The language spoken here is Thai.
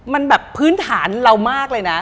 มันแบบพื้นฐานเรามากเลยนะ